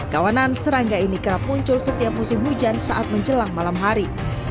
kawanan serangga ini kerap muncul setiap musim hujan saat menjelang malam hari